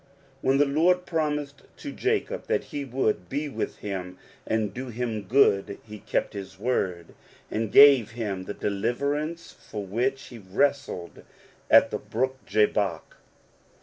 When the Loi^ promised to Jacob that he would be with him an*' do him good, he kept his word, and gave him th^ deliverance for which he wrestled at the brool*^ Jabbok.